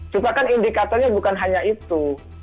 cuma kan indikatornya bukan hanya itu